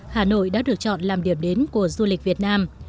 hà nội đã được chọn làm điểm đến của du lịch việt nam